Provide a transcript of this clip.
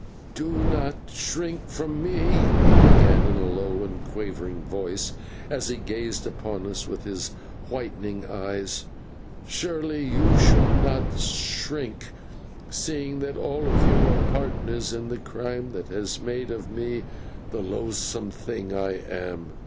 "Do not shrink from me," he began, in a low and quavering voice, as he gazed upon us with his whitening eyes; "surely you should not shrink, seeing that all of you are partners in the crime that has made of me the loathsome thing I am.